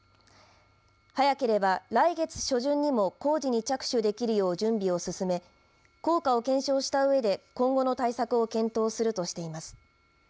早ければ来月初旬にも工事に着手できるよう準備を進め効果を検証したうえで今後の対策を検討するとしています。